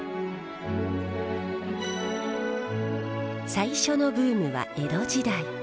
最初のブームは江戸時代。